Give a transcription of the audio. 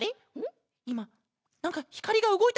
いまなんかひかりがうごいたきがするケロ！